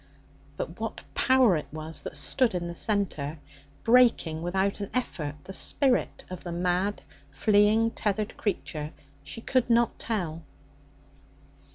But what power it was that stood in the centre, breaking without an effort the spirit of the mad, fleeing, tethered creature, she could not tell.